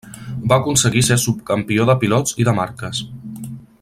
Va aconseguir ser subcampió de pilots i de marques.